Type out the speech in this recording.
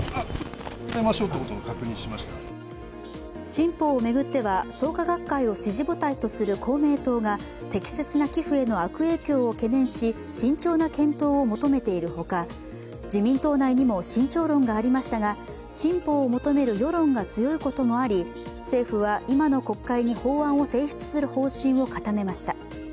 新法を巡っては、創価学会を支持母体とする公明党が適切な寄付への悪影響を懸念し慎重な検討を求めているほか自民党内にも慎重論がありましたが、新法を求める世論が強いこともあり、政府は今の国会に法案を提出する方針を固めました。